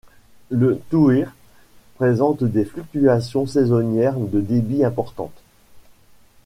Le Touyre présente des fluctuations saisonnières de débit importantes.